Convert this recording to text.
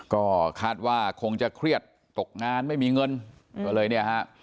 ก็คาดว่าคงจะเครียดตกงานไม่มีเงินก็เลยเนี่ยฮะ